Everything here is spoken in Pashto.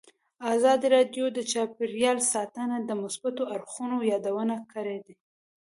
ازادي راډیو د چاپیریال ساتنه د مثبتو اړخونو یادونه کړې.